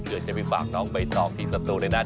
เผื่อจะไปฝากน้องไปต่อที่สตูด้วยนะ